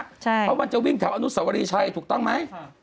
เพราะมันจะวิ่งแถวอนุสวรีชัยถูกต้องไหม